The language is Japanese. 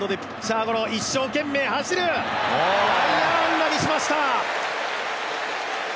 内野安打にしました！